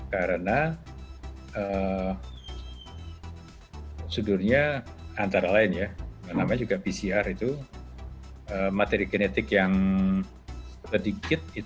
karena prosedurnya antara lain ya namanya juga pcr itu materi genetik yang lebih sensitif